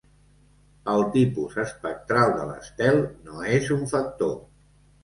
El tipus espectral de l'estel no és un factor.